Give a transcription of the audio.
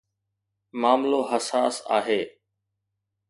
معاملو حساس آهي.